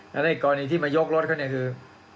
แล้วในกรณีที่มายกรถเขาเนี่ยคือ